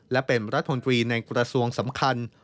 และเป็นรัฐมนตรีในกระทรวงสำคัญ